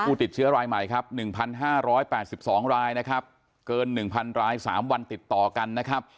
ติดเชื้อรายใหม่ครับ๑๕๘๒รายนะครับเกิน๑๐๐ราย๓วันติดต่อกันนะครับ